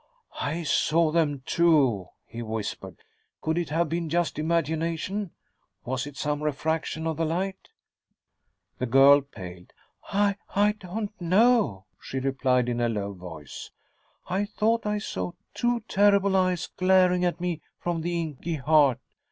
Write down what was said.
"I saw them, too," he whispered. "Could it have been just imagination? Was it some refraction of the light?" The girl paled. "I I don't know," she replied, in a low voice. "I thought I saw two terrible eyes glaring at me from the inky heart.